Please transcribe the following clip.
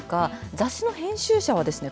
雑誌の編集者はですね